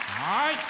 はい！